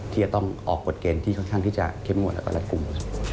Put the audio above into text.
ที่จะต้องออกกฎเกณฑ์ที่ค่อนข้างที่จะเข้มงวดแล้วกับรัฐกรุง